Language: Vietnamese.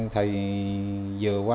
thời vừa qua